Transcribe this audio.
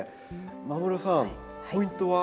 間室さんポイントは？